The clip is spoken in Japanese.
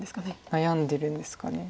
悩んでるんですかね。